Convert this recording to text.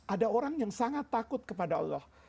ada orang yang sangat takut kepada allah